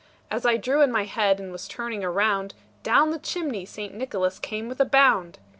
As I drew in my head, and was turning around, Down the chimney St. Nicholas came with a bound.